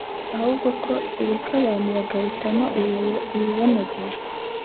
ahubwo ko ireka abantu bagahitamo ibibanogeye